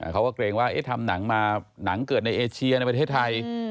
เขาก็เกรงว่าทำหนังมาหนังเกิดในเอเชียในประเทศไทย